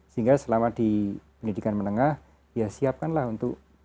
sehingga selama di pendidikan menengah ya siapkanlah untuk